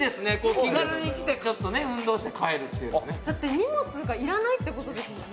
気軽に来てちょっとね運動して帰るっていうのねだって荷物が要らないってことですもんね